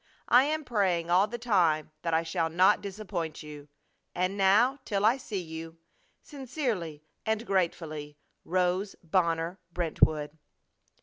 I am praying all the time that I shall not disappoint you. And now till I see you, Sincerely and gratefully, ROSE BONNER BRENTWOOD.